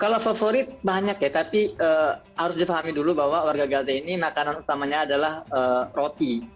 kalau favorit banyak ya tapi harus difahami dulu bahwa warga gaza ini makanan utamanya adalah roti